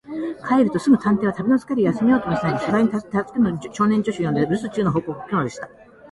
帰るとすぐ、探偵は旅のつかれを休めようともしないで、書斎に助手の小林少年を呼んで、るす中の報告を聞くのでした。